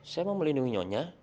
saya mau melindungi nyonya